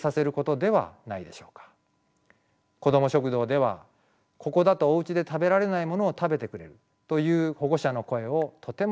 こども食堂では「ここだとおうちで食べられないものを食べてくれる」という保護者の声をとてもよく聞きます。